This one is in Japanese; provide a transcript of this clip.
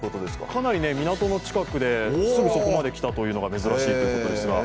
かなり港の近くですぐそこまで来たのが珍しいということです。